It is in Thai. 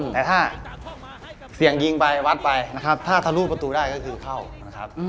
แต่ถ้าเสี่ยงยิงไปวัดไปนะครับถ้าทะลุประตูได้ก็คือเข้านะครับ